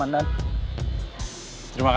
ganda bengidan pically last tiba tiba